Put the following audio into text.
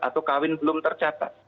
atau kawin belum tercatat